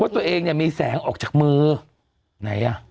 ตัวเองเนี่ยมีแสงออกจากมือไหนอ่ะ